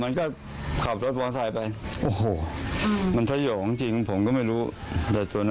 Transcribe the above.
มันก็ขับรถบองทายไปโอ้โหมันทะโยของจริงผมก็ไม่รู้แต่ตัวนั้นน่ะ